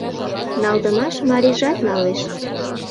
Налдымаш марийжат налеш.